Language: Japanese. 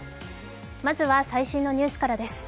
まずは、最新のニュースからです。